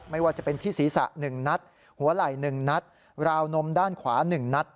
ไม่ว่าจะเป็นที่ศีรษะ๑นัดหัวไหล่๑นัดราวนมด้านขวา๑นัด